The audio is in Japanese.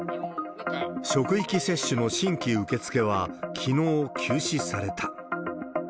職域接種の新規受け付けは、きのう、休止された。